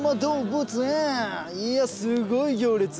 いやすごい行列。